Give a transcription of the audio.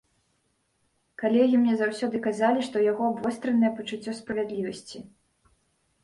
Калегі мне заўсёды казалі, што ў яго абвостранае пачуццё справядлівасці.